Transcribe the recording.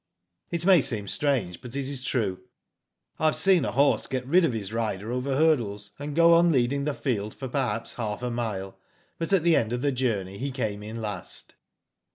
It may seem strange, but it is true. I have seen a horse get rid of his rider over hurdles, and go on leading the field for perhaps half a mile, bat at the end of the journey he came in last.